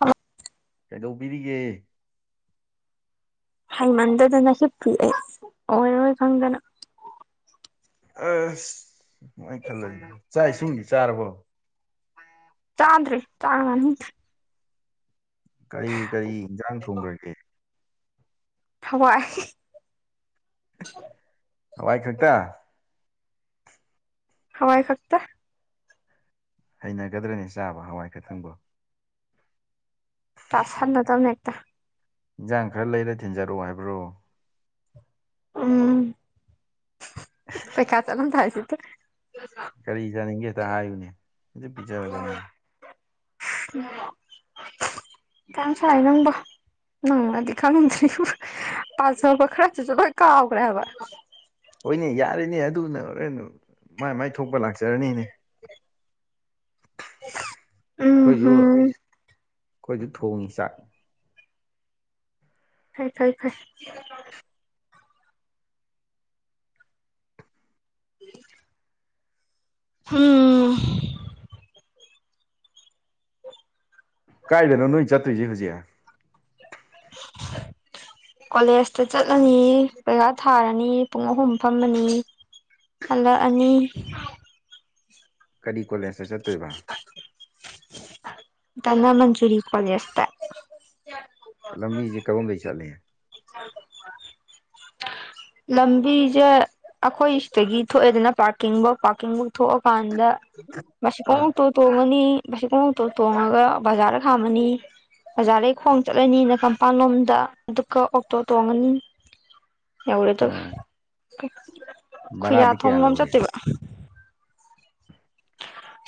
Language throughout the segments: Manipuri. ꯍꯣꯏ ꯀꯩꯗꯧꯕꯤꯔꯤꯒꯦ ꯍꯩꯃꯟꯗꯗꯅ ꯍꯤꯞ ꯄꯤ ꯑꯩ ꯑꯣꯏꯔꯣꯏ ꯈꯪꯗꯅ ꯑꯁ ꯅꯨꯪꯉꯥꯏ ꯈꯜꯂꯒꯦ ꯆꯥꯛ ꯏꯁꯤꯡꯗꯤ ꯆꯥꯔꯕꯣ ꯇꯥꯥꯟ꯭ꯔꯤ ꯇꯥꯃꯅꯤ ꯀꯔꯤ ꯀꯔꯤ ꯏꯟꯖꯥꯡ ꯊꯣꯡꯈ꯭ꯔꯒꯦ ꯍꯋꯥꯏ ꯍꯋꯥꯏ ꯈꯪꯛꯇ ꯍꯋꯥꯏ ꯈꯛꯇ ꯍꯩꯅꯒꯗ꯭ꯔꯅꯤ ꯆꯥꯕ ꯍꯋꯥꯏ ꯈꯊꯪꯕꯣ ꯇ꯭ꯔꯥꯁ ꯁꯥꯟꯅ ꯇꯧꯅꯦ ꯑꯦꯛꯇ ꯏꯟꯖꯥꯡ ꯈꯔ ꯂꯩꯔ ꯊꯤꯟꯖꯔꯛꯑꯣ ꯍꯥꯏꯕ꯭ꯔꯣ ꯎꯝ ꯄꯩ ꯈ ꯆꯠꯂꯝ ꯊꯥꯏꯁꯤ ꯇ ꯀꯔꯤ ꯆꯥꯅꯤꯡꯒꯦꯇ ꯍꯥꯏꯌꯨꯅꯦ ꯑꯗꯨ ꯄꯤꯖꯔꯗꯕꯅꯤ ꯑꯣ ꯎꯝ [unintelligible] ꯀꯥꯡꯥꯡ ꯆꯂꯥꯏ ꯅꯪꯕꯣ ꯅꯪꯅꯥꯗꯤ ꯈꯪꯗ꯭ꯔꯤꯕ ꯄꯥꯖꯕ ꯈꯔꯁꯤꯁꯨ ꯂꯣꯏ ꯀꯥꯎꯈ꯭ꯔꯦ ꯍꯥꯏꯕ ꯍꯣꯏꯅꯦ ꯌꯥꯔꯤꯅꯦ ꯑꯗꯨꯅ ꯍꯣꯔꯦꯟ ꯃꯥꯏ ꯃꯥꯏ ꯊꯣꯛꯄ ꯂꯥꯛꯆꯔꯅꯤꯅꯦ [unintelligible] ꯎꯝ ꯑꯩꯈꯣꯏꯁꯨ ꯍꯝ ꯑꯩꯈꯣꯏꯁꯨ ꯊꯣꯡꯉꯤ ꯆꯥꯛ ꯐꯩ ꯐꯩ ꯐꯩ ꯃꯤ ꯍꯝ ꯀꯥꯏꯗꯅꯣ ꯅꯣꯏ ꯆꯠꯇ꯭ꯔꯤꯁꯦ ꯍꯧꯖꯤꯛ [inaudible] ꯀꯣꯂꯦꯖꯇ ꯆꯠꯂꯅꯤ ꯄꯩꯈꯥ ꯊꯥꯔꯅꯤ ꯄꯨꯡ ꯑꯍꯨꯝ ꯐꯝꯃꯅꯤ ꯍꯜꯂꯣ ꯑꯅꯤ ꯀꯔꯤ ꯀꯣꯂꯦꯖꯇ ꯆꯠꯇꯣꯏꯕ ꯇꯅꯥ ꯃꯟꯆꯨꯔꯤꯀꯋꯥꯂꯁꯦ ꯂꯝꯕꯤꯁꯦ ꯀꯔꯝꯗꯩꯩ ꯆꯠꯂꯤ [unintelligible] [inaudible] ꯂꯝꯕꯤꯖ ꯑꯩꯈꯣꯏ ꯁꯤꯗꯒꯤ ꯊꯣꯛꯑꯦꯗꯅ ꯄꯥꯔꯀꯤꯡꯐꯧ ꯄꯥꯔꯀꯤꯡꯐꯧ ꯊꯣꯛꯑꯀꯥꯟꯗ ꯃꯁꯤꯐꯥꯎꯛꯇ ꯇꯣꯡꯉꯅꯤ ꯀꯇ ꯇꯣꯡꯉꯒ ꯕꯖꯥꯔꯗ ꯈꯥꯝꯃꯅꯤ ꯑꯣꯖꯥꯗꯒꯤ ꯈꯣꯡ ꯆꯠꯂꯅꯤꯅ ꯀꯝꯄꯥꯟ ꯂꯣꯝꯗ ꯑꯗꯨꯒ ꯇ ꯇꯣꯉꯅꯤ ꯑꯦ ꯇ ꯑꯥ ꯈꯨꯌꯥ ꯚꯔꯥꯗꯤ ꯊꯣꯡ ꯀꯌꯥ ꯂꯣꯝ ꯂꯧꯏ ꯆꯠꯇꯦꯕ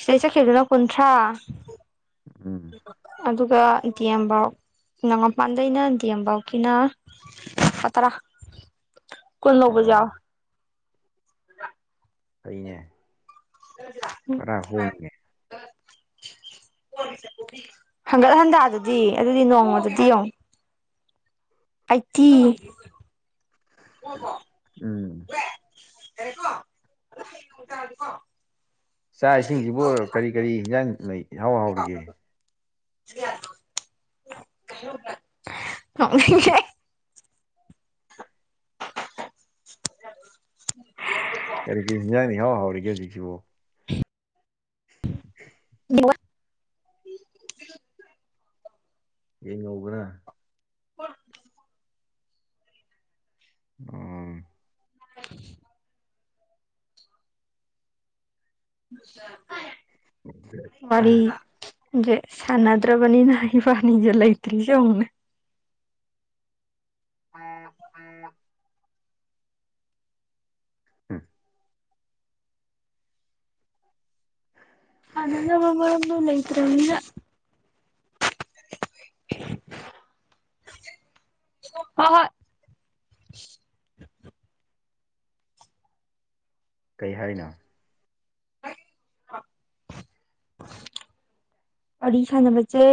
ꯁꯤꯗꯩ ꯆꯠꯈꯤꯕꯗꯨꯅ ꯀꯨꯟꯊ꯭ꯔꯥ ꯎꯝ ꯑꯗꯨꯒꯇꯤ ꯑꯦꯝꯕꯥꯎ ꯅꯣꯡꯉꯥ ꯄꯥꯟꯗꯩꯅ ꯗꯤ ꯑꯦꯝꯕꯎꯀꯤꯅ ꯂꯨꯄꯥ ꯇꯔꯥ ꯀꯨꯜꯅꯧꯕꯖꯥ ꯑꯣ ꯑꯩꯅꯦ ꯀꯖꯥ ꯑ ꯍ ꯍꯪꯒꯠ ꯍꯟꯇꯥꯗꯨꯗꯤ ꯑꯗꯨꯗꯤ ꯅꯣꯡꯃꯗꯨꯗꯤ ꯌꯦꯡꯉ ꯑꯩꯠꯇꯤ ꯀꯣ ꯎꯝ ꯆꯥꯛ ꯏꯁꯤꯡꯁꯤꯕꯨ ꯀꯔꯤ ꯀꯔꯤ ꯍꯟꯖꯥꯡ ꯂꯩ ꯍꯥꯎ ꯍꯥꯎꯔꯤꯒꯦ [inaudible] ꯎ ꯀꯔꯤ ꯀꯔꯤ ꯍꯤꯟꯖꯥꯡꯅꯤ ꯍꯍꯥꯎ ꯍꯧꯔꯔꯤꯦꯖꯤꯁꯤꯕꯨ ꯍꯝ [inaudible] ꯑ ꯌꯦꯡꯉꯧꯕꯅ ꯍꯠ ꯎꯝ [inaudible] ꯋꯥꯔꯤꯔꯤ ꯦ ꯁꯥꯟꯅꯗ꯭ꯔꯕꯅꯤ ꯅꯅꯥ ꯄꯅꯤꯒꯤꯦ ꯂꯩꯇ꯭ꯔꯤꯁꯧꯅ ꯎꯝ ꯎꯝ ꯎꯝ ꯅꯪ ꯂꯩꯇ꯭ꯔꯦ ꯏ [inaudible] ꯍ ꯍꯣꯏ ꯀꯩ ꯍꯥꯏꯅꯣ ꯑꯔꯤ ꯁꯥꯟꯅꯕꯖꯦ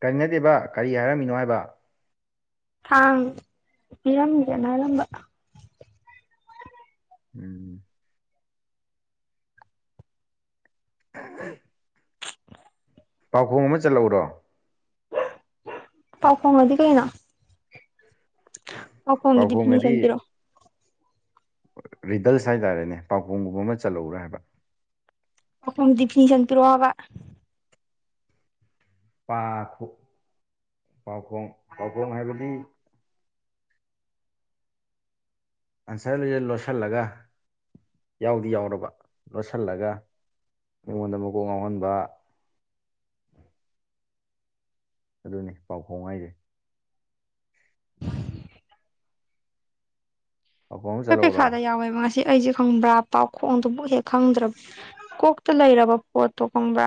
ꯀꯔꯤ ꯅꯠꯇꯦꯕ ꯀꯔꯤ ꯍꯥꯏꯔꯝꯃꯤꯅꯣ ꯍꯥꯏꯕ ꯊꯥꯡ ꯄꯤꯔꯝꯒꯦꯅꯔꯝꯕ ꯎꯝ [unintelligible] ꯄꯥꯎꯈꯣꯡ ꯑꯃ ꯆꯠꯂꯧꯔꯣ ꯄꯥꯎꯈꯣꯡꯗꯤ ꯀꯩꯅꯣ ꯄꯥꯎꯈꯨꯝꯒꯤ ꯄꯥꯎꯈꯣꯡꯑꯗꯤ ꯗꯤꯐꯤꯅꯤꯁꯟ ꯄꯤꯔꯛ ꯑꫭ ꯔꯤꯗꯜꯁ ꯍꯥꯏꯇꯥꯔꯦꯅꯦ ꯄꯥꯎꯈꯨꯝꯒꯨꯝꯕ ꯑꯃ ꯆꯜꯂꯧꯔꯥ ꯍꯥꯏꯕ ꯄꯥꯎꯈꯨꯝ ꯗꯤꯐꯤꯅꯤꯁꯟ ꯄꯤꯔꯣꯍꯕ ꯄꯥ ꯈꯣꯡ ꯄꯥꯎꯈꯣꯡ ꯍꯥꯏꯕꯗꯤ ꯑꯟꯁꯔ ꯂ ꯂꯣꯠꯁꯜꯂꯒ ꯌꯥꯎꯗꯤ ꯌꯥꯎꯔꯕ ꯂꯣꯠꯁꯜꯂꯒ ꯃꯤꯉꯣꯟꯗ ꯃꯀꯣꯛ ꯉꯥꯎꯍꯟꯕ ꯑꯗꯨꯅꯦ ꯄꯥꯎꯈꯣꯡ ꯍꯥꯏꯖꯦ ꯄꯥꯎꯈꯣꯡ ꯑꯃ ꯍꯣꯏ ꯆꯠꯍꯧꯔꯣ ꯄꯩꯈꯥꯗ ꯌꯥꯎꯋꯦꯕ ꯉꯁꯤ ꯑꯩꯁꯦ ꯈꯪꯕ꯭ꯔꯥ ꯄꯥꯎꯈꯣꯡꯗꯨꯕꯨ ꯍꯦꯛ ꯈꯪꯗ꯭ꯔꯕ꯭ꯔꯥ ꯀꯣꯛꯇ ꯂꯩꯔꯕ ꯄꯣꯠꯇꯣꯒꯨꯝꯕ꯭ꯔꯥ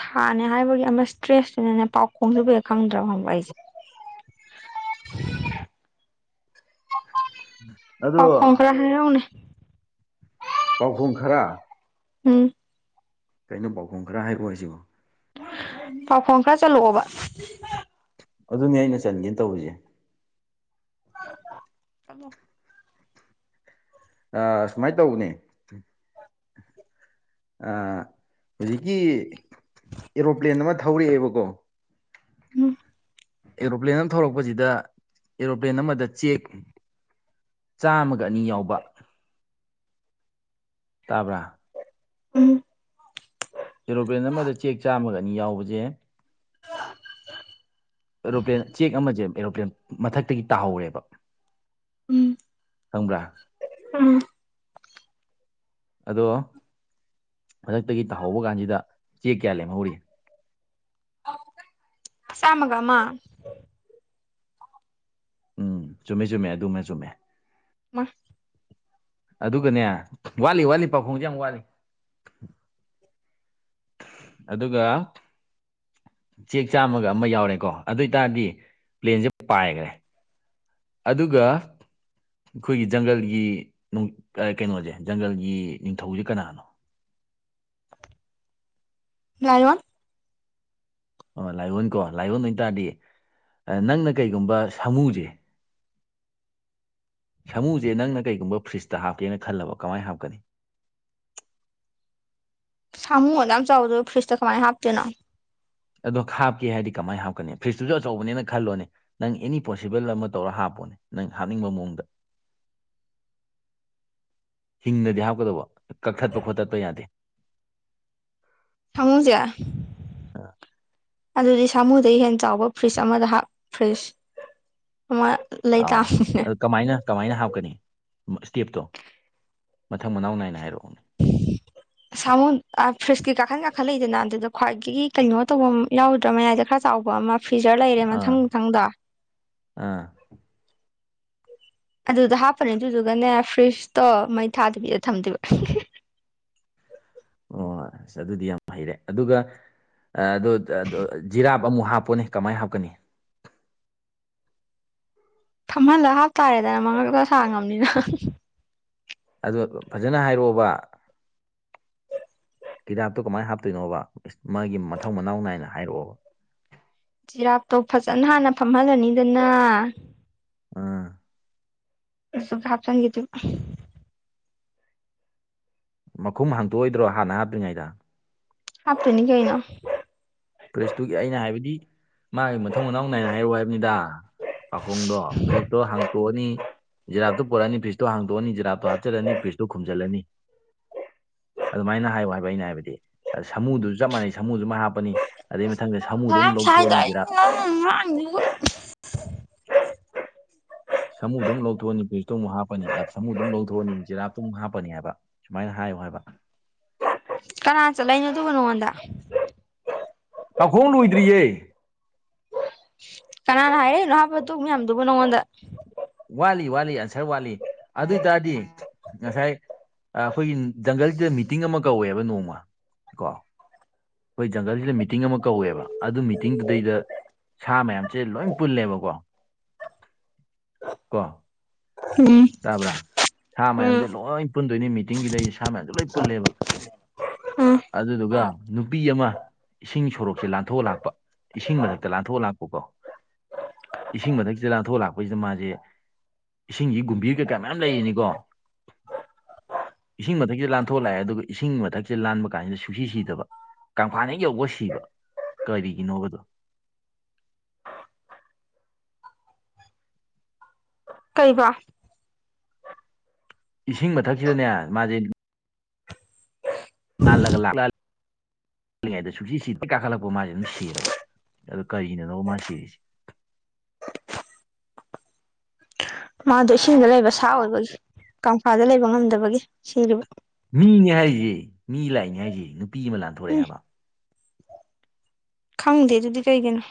ꯈꯥꯅꯦ ꯍꯥꯏꯕꯒꯤ ꯑꯃ ꯏꯁꯇ꯭ꯔꯦꯁꯇꯨꯅꯅꯦ ꯄꯥꯎꯈꯣꯡꯗꯕꯨ ꯍꯦꯛ ꯈꯪꯗ꯭ꯔꯕ ꯍꯪꯕ ꯑꯩꯁꯦ ꯑꯗꯣ ꯄꯥꯎ ꯈꯣꯡ ꯈꯔ ꯍꯥꯏꯔꯥꯎꯅꯦ ꯄꯥꯎꯈꯨꯝ ꯈꯔ ꯎꯝ ꯀꯩꯅꯣ ꯄꯥꯎꯈꯨꯝ ꯈꯔ ꯍꯥꯏꯕꯣ ꯍꯥꯏꯁꯤꯕꯣ ꯄꯥꯎꯈꯣꯡ ꯈꯔ ꯆꯠꯂꯛꯑꯣꯕ ꯑꯗꯨꯅꯦ ꯑꯩꯅ ꯆꯟꯒꯦ ꯇꯧꯔꯤꯁꯦ ꯆꯜꯂꫭ ꯑ ꯁꯨꯃꯥꯏ ꯇꯧꯕꯅꯦ ꯑ ꯍꯧꯖꯤꯛꯀꯤ ꯑꯦꯔꯣꯄ꯭ꯂꯦꯟ ꯑꯃ ꯊꯧꯔꯛꯑꯦꯕꯀꯣ ꯎꯝ ꯑꯦꯔꯣꯄ꯭ꯂꯦꯟ ꯑꯃ ꯊꯧꯔꯛꯄꯁꯤꯗ ꯑꯦꯔꯣꯄ꯭ꯂꯦꯟ ꯑꯃꯗ ꯆꯦꯛ ꯆꯥꯝꯃꯒ ꯑꯅꯤ ꯌꯥꯎꯕ ꯇꯥꯕ꯭ꯔꯥ ꯎꯝ ꯑꯦꯔꯣꯄ꯭ꯂꯦꯟ ꯑꯃꯗ ꯆꯦꯛ ꯆꯥꯝꯃꯒ ꯑꯅꯤ ꯌꯥꯎꯕꯖ‌ꯦ [unintelligible] ꯑꯦꯔꯣꯄ꯭ꯂꯦꯟ ꯆꯦꯛ ꯑꯃꯁꯦ ꯑꯦꯔꯣꯄ꯭ꯂꯦꯟ ꯃꯊꯛꯇꯒꯤ ꯇꯥꯍꯧꯔ‌ꯦꯕ ꯎꯝ ꯈꯪꯕ꯭ꯔ ꯎꯝ ꯑꯗꯣ ꯃꯊꯛꯇꯒꯤ ꯇꯥꯍꯧꯕ ꯀꯥꯟꯁꯤꯗ ꯆꯦꯛ ꯀꯌꯥ ꯂꯦꯝꯍꯧꯔꯤ ꯆꯝꯃꯒ ꯑꯃ ꯎꯝ ꯆꯨꯝꯃꯦ ꯆꯨꯝꯃꯦ ꯑꯗꯨꯃ ꯆꯨꯝꯃꯦ [unintelligible] ꯑꯗꯨꯒꯅꯦ ꯋꯥꯠꯂꯤ ꯋꯥꯠꯂꯤ ꯄꯥꯎꯈꯣꯡꯖꯦ ꯌꯥꯝ ꯋꯥꯠꯂꯤ ꯑꯗꯨꯒ ꯆꯦꯛ ꯆꯥꯝꯃꯒ ꯑꯃ ꯌꯥꯎꯔꯦꯀꯣ ꯑꯗꯨꯏꯇꯥꯗꯤ ꯄ꯭ꯂꯦꯟꯁꯦ ꯄꯥꯏꯒꫪ‌ꯦ ꯑꯗꯨꯒ ꯑꯩꯈꯣꯏꯒꯤ ꯖꯪꯒꯜꯒꯤ ꯑ ꯀꯩꯅꯣꯖ‌ꯦ ꯖꯪꯒꯜꯒꯤ ꯅꯤꯡꯊꯧꯁꯦ ꯀꯅꯥꯅꯣ ꯂꯥꯏꯌꫭꯟ ꯑꯣ ꯂꯥꯏꯌꫭꯟꯀꯣ ꯂꯥꯏꯌꫭꯟ ꯑꯣꯏꯇꯥꯥꯔꯗꯤ ꯅꯪꯅ ꯀꯩꯒꯨꯝꯕ ꯁꯥꯃꯨꯁꯦ ꯁꯃꯨꯁꯦ ꯅꯪꯅ ꯀꯩꯒꯨꯝꯕ ꯐ꯭ꯔꯤꯖꯇ ꯍꯥꯞꯀꯦꯅ ꯈꯜꯂꯕ ꯀꯃꯥꯏꯅ ꯍꯥꯞꯀꯅꯤ ꯁꯥꯃꯨ ꯑꯗꯨꯛ ꯌꯥꯝ ꯆꯥꯎꯕꯗꫭ ꯐ꯭ꯔꯤꯖꯇ ꯀꯃꯥꯏꯅ ꯍꯥꯞꯇꯣꯏꯅꯣ ꯑꯗꯣ ꯍꯥꯞꯀꯦ ꯍꯥꯏꯗꯤ ꯀꯃꯥꯏ ꯍꯥꯞꯀꯅꯤ ꯐ꯭ꯔꯤꯖꯇꯨꯖꯨ ꯑꯆꯧꯕꯅꯦꯅ ꯈꯜꯂꯣꯅꯦ ꯅꯪ ꯑꯦꯅꯤ ꯄꯣꯁꯤꯕꯜ ꯑꯃ ꯇꯧꯔ ꯍꯥꯞꯄꯣꯅꯦ ꯅꯪ ꯍꯥꯞꯅꯤꯡꯕ ꯃꯑꯣꯡꯗ ꯍꯤꯡꯅꯗꯤ ꯍꯥꯞꯀꯗꯧꯕ ꯀꯛꯊꯠꯄ ꯈꯣꯠꯇꯠꯄ ꯌꯥꯗꯦ ꯁꯥꯃꯨꯖ‌ꯦ ꯑꯗꯨꯗꯤ ꯁꯥꯃꯨꯗꯩ ꯍꯦꯟ ꯆꯥꯎꯕ ꯐ꯭ꯔꯤꯖ ꯑꯃꯗ ꯍꯥꯞ ꯐ꯭ꯔꯤꯖ ꯑꯃ ꯑ ꯂꯩꯇꯥꯝ ꯑꯗꯨ ꯀꯃꯥꯏꯅ ꯀꯃꯥꯏꯅ ꯍꯥꯞꯀꯅꯤ ꯁ꯭ꯇꯦꯞꯇꯣ ꯃꯊꯪ ꯃꯅꯥꯎ ꯅꯥꯏꯅ ꯍꯥꯏꯔꯛꯑꯣ [unintelligible] ꯁꯥꯃꯨꯟ ꯐ꯭ꯔꯤꯖꯀꯤ ꯀꯥꯈꯟ ꯀꯥꯈꯟ ꯂꯩꯗꯅ ꯑꯗꯨꯗ ꯈ꯭ꯋꯥꯏꯒꯤ ꯀꯩꯅꯣ ꯇꯧꯕꯝ ꯌꯥꯎꯗ꯭ꯔꯥ ꯃꯌꯥꯏꯗ ꯈꯔ ꯆꯥꯎꯕ ꯑꯃ ꯐ꯭ꯔꯤꯖꯔ ꯂꯩꯔꯦ ꯑꯥ ꯃꯊꯪ ꯃꯊꯪꯗ ꯑꯥ ꯑꯗꯨꯗ ꯍꯥꯞꯄꯅꯦ ꯑꯗꯨꯗꯨꯒꯅꯦ ꯐ꯭ꯔꯤꯖꯇꯣ ꯃꯩ ꯊꯥꯗꯕꯤꯗ ꯊꯝꯗꯨꯏꯕ ꯑꯣ ꯑꯁ ꯑꯗꯨꯗꯤ ꯌꯥꯝ ꯍꯩꯔꯦ ꯑꯗꯨꯒ ꯑ ꯑꯗꯨ ꯑ ꯑꯗꯨ ꯖꯤꯔꯥꯞ ꯑꯃꯨꯛ ꯍꯥꯞꯄꯣꯅꯦ ꯀꯃꯥꯏ ꯍꯥꯞꯀꯅꯤ ꯐꯝꯍꯜꯂ ꯍꯥꯞꯇꯥꯔꯦꯗꯅ ꯃꯉꯛꯇꯣ ꯁꯥꯡꯉꯕꯅꯤꯅ ꯑꯗꯣ ꯐꯖꯅ ꯍꯥꯏꯔꯛꯑꯣꯕ ꯖꯤꯔꯥꯞꯇꯣ ꯀꯃꯥꯏꯅ ꯍꯥꯞꯇꯣꯏꯅꯣꯕ ꯃꯥꯒꯤ ꯃꯊꯧ ꯃꯅꯥꯎ ꯅꯥꯏꯅ ꯍꯥꯏꯔꯛꯑꯣꯕ ꯖꯤꯔꯥꯞꯇꯣ ꯐꯖꯅ ꯍꯥꯟꯅ ꯐꯝꯍꯜ ꯂꯅꯤꯗꯅ ꯑ ꯁꯨꯝ ꯍꯥꯞꯆꯟꯒꯤ ꯗꯨꯝ ꯃꯈꯨꯝ ꯍꯥꯡꯇꯣꯛ ꯑꯣꯏꯗ꯭ꯔꯣ ꯍꯥꯟꯅ ꯍꯥꯞꯇ꯭ꯔꯤꯉꯩꯗ ꯍꯥꯞ ꯇꯨꯏꯅꯤ ꯀꯩꯩꯅꯣ ꯄ꯭ꯔꯦꯁꯇꯨꯒꯤ ꯑꯩꯅ ꯍꯥꯏꯕꯗꯤ ꯃꯥꯒꯤ ꯃꯊꯧ ꯃꯅꯥꯎ ꯅꯥꯏꯅ ꯍꯥꯏꯌꯨ ꯍꯥꯏꯕꯅꯤꯗ ꯄꯥꯎꯈꯨꯝꯗꯣ ꯐ꯭ꯔꯤꯖꯇꯣ ꯍꯥꯡꯇꯣꯛꯑꯅꯤ ꯖꯤꯔꯥꯇꯣ ꯄꯨꯔꯛ ꯑꯅꯤ ꯐ꯭ꯔꯤꯇꯣ ꯍꯥꯡꯇꯣꯛ ꯑꯅꯤ ꯖꯤꯔꯥꯞꯇꯣ ꯍꯥꯞꯆꯜꯂꯅꯤ ꯐ꯭ꯔꯤꯖꯇꯨ ꯈꯨꯝꯖꯤꯜꯂꯅꯤ ꯑꯗꯨꯃꯥꯏꯅ ꯍꯥꯏꯌꯨ ꯍꯥꯏꯕ ꯑꯩꯅ ꯍꯥꯏꯕꯗꯤ ꯑꯗ ꯁꯃꯨꯗꯨꯁꯨ ꯆꯞ ꯃꯥꯟꯅꯩ ꯁꯃꯨꯁꯨ ꯃꯥꯏꯅ ꯍꯥꯞꯄꯅꯤ ꯑꯗꯩ ꯏꯁ ꯃꯊꯪꯗ ꯅꯨꯄꯥ ꯃꯊꯥ ꯁꯥꯃꯨꯗꯣ ꯑꯃꯨꯛ ꯌꯥꯝ ꯁꯥꯏꯗ ꯂꯧꯊꯣꯛꯑꯅꯤ ꯖꯤꯔꯥꯞ ꯑꯩꯅ [unintelligible] ꯁꯃꯨꯗꯨ ꯑꯃꯨꯛ ꯂꯧꯊꯣꯛꯑꯅꯤ ꯐ꯭ꯔꯤꯖꯇꯨ ꯑꯃꯨꯛ ꯍꯥꯞꯄꯅꯤ ꯑ ꯁꯃꯨꯗꯨ ꯃꯨꯛ ꯂꯧꯊꯣꯛ ꯑꯅꯤ ꯖꯤꯔꯥꯞꯇꯨ ꯑꯃꯨꯛ ꯍꯥꯞꯄꯅꯤ ꯍꯥꯏꯕ ꯁꯨꯃꯥꯏꯅ ꯍꯥꯏꯌꯨ ꯍꯥꯏꯕ ꯀꯅꯥꯅ ꯆꯜꯂꯛ ꯏꯅꯣ ꯑꯗꯨꯕꯨ ꯅꯉꯣꯟꯗ ꯄꯥꯎꯈꯣꯡ ꯂꯣꯏꯗ꯭ꯔꯤꯌꯦ ꯀꯅꯥꯅ ꯍꯥꯏꯔꯛ ꯏꯅꯣ ꯍꯥꯏꯕ ꯑꯗꯨꯝꯕ ꯃꯌꯥꯝꯗꯨꯕꯨ ꯅꯪꯉꯣꯟꯗ ꯋꯥꯠꯂꯤ ꯋꯥꯠꯂꯤ ꯑꯟꯁꯔ ꯋꯥꯠꯂꯤ ꯑꯗꯨꯏ ꯇꯥꯔꯗꯤ ꯉꯁꯥꯏ ꯑ ꯈꯣꯏꯒꯤ ꯖꯪꯒꯜꯁꯤꯗ ꯃꯤꯇꯤꯡ ꯑꯃ ꯀꯧꯋꯦꯕ ꯅꯣꯡꯃ ꯀꯣ ꯈꯣꯏ ꯖꯪꯒꯜꯁꯤꯗ ꯃꯤꯇꯤꯡ ꯑꯃ ꯀꯧꯋꯦꯕ ꯑꯗꯨ ꯃꯤꯇꯤꯡꯗꯨꯗꯩꯗ ꯁꯥ ꯃꯌꯥꯝꯁꯦ ꯂꯣꯏꯝ ꯄꯨꯜꯂꯦꯕꯀꯣ ꯀꯣ ꯎꯝ ꯇꯥꯕ꯭ꯔꯥ ꯁꯥ ꯎꯝ ꯃꯌꯥꯝꯁꯦ ꯂꯣꯏ ꯄꯨꯟꯗꯣꯏꯅꯤ ꯃꯤꯇꯤꯡ ꯁꯤꯗꯩꯁ ꯁꯥ ꯃꯌꯥꯝꯁꯦ ꯂꯣꯏ ꯄꯨꯜꯂꯦꯕ ꯎꯝ ꯑꯗꯨꯗꯨꯒ ꯅꯨꯄꯤ ꯑꯃ ꯏꯁꯤꯡ ꯁꯣꯔꯣꯛꯁꯦ ꯂꯥꯟꯊꯣꯛꯑ ꯂꯥꯛꯄ ꯏꯁꯤꯡ ꯃꯊꯛꯇ ꯂꯥꯟꯊꯣꯛꯑ ꯂꯥꯛꯄꯀꯣ ꯏꯁꯤꯡ ꯃꯊꯛ ꯁꯤꯗ ꯂꯥꯟꯊꯣꯛꯑ ꯂꯥꯛꯄꯁꯤꯗ ꯃꯥꯁꯦ ꯏꯁꯤꯡꯒꯤ ꯒꯨꯝ ꯕꯤꯔ ꯀꯩꯀꯥ ꯃꯌꯥꯝ ꯂꯩꯔꯤꯅꯤꯀꯣ ꯏꯁꯤꯡ ꯃꯊꯛꯁꯤꯗ ꯂꯥꯟꯊꯣꯛꯑ ꯂꯥꯛꯑꯦ ꯑꯗꯨꯒ ꯏꯁꯤꯡ ꯃꯊꯛꯁꯤꯗ ꯂꯥꯟꯕ ꯀꯥꯟꯁꯤꯗ ꯁꯨꯡꯁꯤ ꯁꯤꯗꯕ ꯀꯪꯐꯥꯟ ꯍꯦꯛ ꯌꯧꯕꯒ ꯁꯤꯕ ꯀꯔꯤꯒꯤꯅꯣꯕ ꯑꯗꯣ ꯀꯩꯕꯣ ꯏꯁꯤꯡ ꯃꯊꯛꯁꯤꯗꯅꯦ ꯃꯥꯁꯦ ꯂꯥꯜꯂ ꯂꯥꯛ ꯉꯩꯗ ꯁꯨꯡꯁꯤ ꯁꯤꯗꯕ ꯍꯦꯛ ꯀꯥꯈꯠꯂꯛꯄ ꯃꯥꯁꯦ ꯑꯗꯨꯝ ꯁꯤꯔꯕ ꯑꯗꯨ ꯀꯔꯤꯅꯅꯣ ꯃꯥ ꯁꯤꯔꯤꯁꯤꯦ ꯃꯥꯗꯣ ꯏꯁꯤꯡꯗ ꯂꯩꯕ ꯁꯥ ꯑꯣꯏꯕꯒꯤ ꯀꯪꯐꯥꯗ ꯂꯩꯕ ꯉꯝꯗꯕꯒꯤ ꯁꯤ ꯃꯤꯅꯦ ꯍꯥꯏꯔꯤꯁꯤꯦ ꯃꯤ ꯂꯥꯛꯏꯅꯦ ꯍꯥꯏꯔꯤꯁꯤꯦ ꯅꯨꯄꯤ ꯑꯃ ꯂꯥꯟꯊꯣꯔꯛꯑꯦ ꯎꯝ ꯍꯥꯏꯕ ꯈꯪꯗꯦ ꯑꯗꯨꯗꯤ ꯀꯩꯒꯤꯅꯣ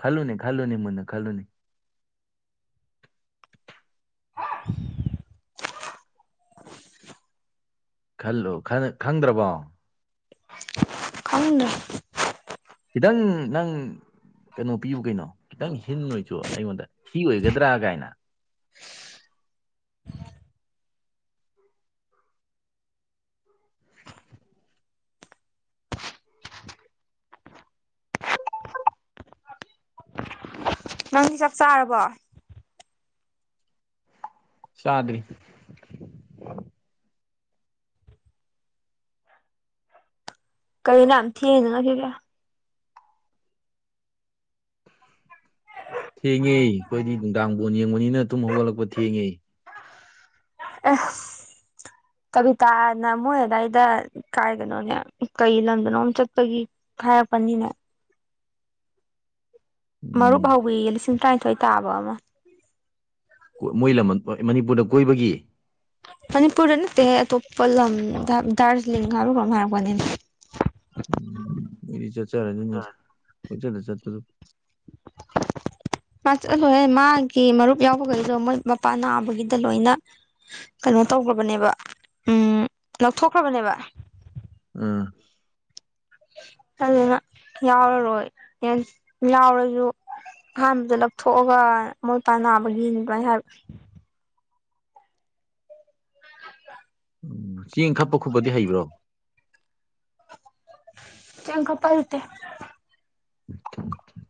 ꯈꯂꯅꯦ ꯈꯂꯅꯦ ꯃꯅ ꯈꯂꯅꯦ [unintelligible] ꯈꯜꯂ ꯈꯪꯗ꯭ꯔꯕꯣ ꯈꯪꯏꯅ ꯈꯤꯇꯪ ꯅꯪ ꯀꯩꯅꯣ ꯄꯤꯌꯨ ꯀꯩꯅꯣ ꯈꯤꯇꯪ ꯍꯤꯟ ꯑꯣꯏꯁꯨ ꯑꯩꯉꯣꯟꯗ ꯁꯤ ꯑꯣꯏꯒꯗ꯭ꯔꯥ ꯀꯥꯏꯅ ꯅꯪꯗꯤ ꯆꯥꯛ ꯆꯥꯔꯕꯣ ꯆꯥꯗ꯭ꯔꯤ ꯀꯩꯒꯤꯅꯣ ꯌꯥꯝ ꯊꯦꯉꯤꯗꯨꯅ ꯅꯣꯏꯕꯣ [inaudible] ꯊꯦꯡꯉꯦ ꯑꯩꯈꯣꯏꯗꯤ ꯅꯨꯡꯗꯥꯡꯕꯣꯟ ꯌꯦꯡꯕꯅꯤꯅ ꯑꯗꯨꯝ ꯍꯧꯒꯠꯂꯛꯄ ꯊꯦꯡꯉꯦ ꯑꯦ ꯀꯕꯤꯇꯥꯅ ꯃꯣꯏ ꯑꯗꯨꯗꯥꯋꯥꯏꯗ ꯀꯥꯏꯒꯅꯣꯅꯦ ꯀꯩ ꯂꯝꯗꯅꯣ ꯑꯃꯝ ꯆꯠꯄꯒꯤ ꯍꯥꯏꯔꯛꯄꯅꯤꯅꯦ ꯃꯔꯨꯞ ꯎꯝ ꯍꯋꯤ ꯂꯤꯁꯤꯡ ꯇꯔꯥꯅꯤꯊꯣꯏ ꯇꯥꯕ ꯑꯃ ꯃꯣꯏ ꯃꯅꯤꯄꯨꯔꯗ ꯀꯣꯏꯕꯒꯤ ꯃꯅꯤꯄꯨꯔꯗꯅ ꯇꯦ ꯇꯣꯞꯄꯜ ꯂꯝ ꯗꯥꯔꯖꯤꯂꯤꯡꯒꯔꯒꯔ ꯃꯥꯔꯒꯅꯤ ꯎꯝ ꯃꯗꯤ ꯆꯠꯆꯔꯅꯤ ꯅꯨꯃꯤ ꯀꯆꯗ ꯆꯠꯄꯗꯨ [unintelligible] ꯆꯠꯂꯣꯏꯍꯦ ꯃꯥꯒꯤ ꯃꯔꯨꯞ ꯌꯥꯎꯕꯈꯩꯗꯣ ꯃꯣꯏ ꯃꯄꯥ ꯅꯥꯕꯒꯤꯗ ꯂꯣꯏꯅ ꯀꯩꯅꯣ ꯇꯧꯈ꯭ꯔꯕꯅꯦꯕ ꯎꯝ ꯂꯧꯊꯣꯛꯈ꯭ꯔꯕꯅꯦꯕ ꯑ ꯑꯗꯨꯅ ꯌꯥꯎꯔꯔꯣꯏ ꯌꯥꯎꯔꯁꯨ ꯑꯍꯥꯟꯕꯗ ꯂꯧꯊꯣꯛꯑꯒ ꯃꯣꯏ ꯄꯥꯟ ꯅꯥꯕꯒꯤꯅꯤ ꯑꯗꯨꯃꯥꯏꯅ ꯍꯥꯏꯕ ꯎ ꯆꯤꯡ ꯏꯪꯈꯥ ꯄꯈꯕꯗꯤ ꯍꯩꯕ꯭ꯔꯣ ꯆꯒ ꯄꯇꯦ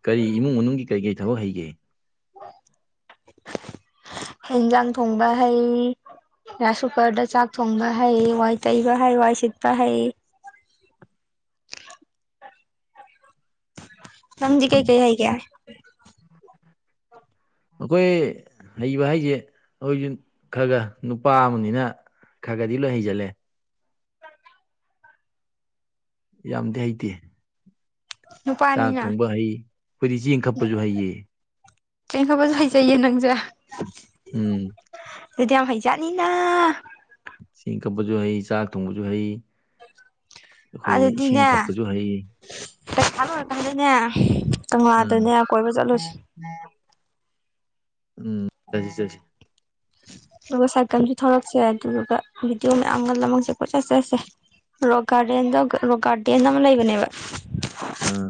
ꯀꯔꯤ ꯏꯃꯨꯡ ꯃꯅꯨꯡꯒꯤ ꯀꯔꯤ ꯀꯔꯤ ꯊꯕꯛ ꯍꯩꯒꯦ [inaudible] ꯏꯟꯖꯥꯡ ꯊꯣꯡꯕ ꯍꯩ ꯌꯥ ꯁꯨꯄꯔꯗ ꯆꯥꯛ ꯊꯣꯡꯕ ꯍꯩ ꯋꯥꯏ ꯇꯩꯕ ꯍꯩ ꯋꯥꯏ ꯁꯤꯠꯄ ꯍꯩ ꯂꯝꯝꯗꯤ ꯀꯩꯀꯩ ꯍꯥꯏꯒꯦ ꯑꯩꯈꯣꯏ ꯍꯩꯕ ꯍꯥꯏꯁꯦ ꯑꯩꯈꯣꯏꯁꯨ ꯈꯔ ꯈꯔ ꯅꯨꯄꯥ ꯑꯃꯅꯤꯅ ꯈꯒꯗꯤ ꯂꯣ ꯍꯩꯖꯂꯦ ꯌꯥꯝꯗꯤ ꯍꯩꯇꯦ ꯆꯥꯛ ꯅꯨꯄꯥꯅꯤꯅ ꯊꯣꯡꯕ ꯍꯩ ꯑꯩꯈꯣꯏꯗꯤ ꯆꯦꯡ ꯀꯛꯄꯁꯨ ꯍꯩꯌꯦ ꯇꯦꯡꯈꯕ ꯆꯥꯏꯖꯩ ꯅꯪꯖꯦ ꯎꯝ ꯑꯗꯨꯗꯤ ꯌꯥꯝ ꯍꯩꯖꯥꯠꯅꯤꯅ ꯆꯁꯤꯡ ꯀꯞꯄꯁꯨ ꯍꯩ ꯆꯥꯛ ꯊꯣꯡꯕꯁꯨ ꯍꯩ ꯑꯩꯈꯣꯏ ꯏꯁꯤꯡ ꯑꯗꯨꯗꯤꯅꯦ ꯊꯛꯄꯁꯨ ꯍꯩ ꯑꯣꯏꯀꯗꯅꯦ ꯎꯝ ꯎꯝ ꯆ ꯆꯁꯤ ꯑꯗꯨꯒ ꯁꯥꯏꯀꯜꯁꯨ ꯊꯂꯛꯁꯦ ꯑꯗꯨꯗꯨꯒ ꯚꯤꯗꯤꯑꯣ ꯃꯌꯥꯝꯒꯜ ꯂꯁꯦ ꯄꯣꯠ ꯆꯠ ꯆꯁꯦ ꯔꯣ ꯒꯥꯔꯗꯦꯟꯗ ꯔꯣꯒꯥꯔꯗꯦꯟ ꯑꯃ ꯂꯩꯕꯅꯦꯕ ꯑꯥ